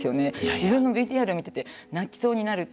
自分のＶＴＲ見てて泣きそうになるって。